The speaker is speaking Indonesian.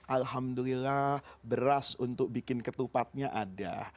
alhamdulillah beras untuk bikin ketupatnya ada